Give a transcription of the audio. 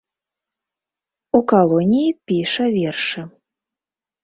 У калоніі піша вершы.